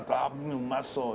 うまそう。